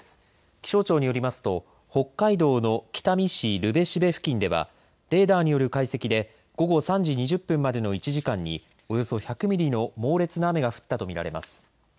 気象庁によりますと北海道の北見市留辺蘂付近ではレーダーによる解析で午後３時２０分までの１時間におよそ１００ミリの猛烈な雨が降ったと見られます。